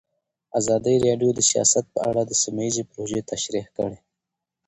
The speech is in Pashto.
ازادي راډیو د سیاست په اړه سیمه ییزې پروژې تشریح کړې.